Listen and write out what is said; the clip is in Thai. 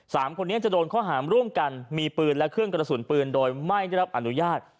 สามคนนี้จะโดนข้อหามร่วมกันมีปืนและเครื่องกระสุนปืนโดยไม่ได้รับอนุญาต